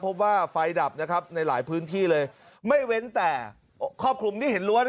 พบว่าไฟดับในหลายพื้นที่เลยไม่เว้นแต่ขอบคลุมนี่เห็นร้วน